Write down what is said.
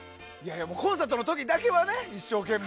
コンサートの時だけは一生懸命。